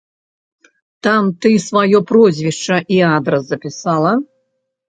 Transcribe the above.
Там ты сваё прозвішча і адрас запісала?